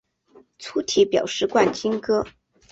粗体表示冠军歌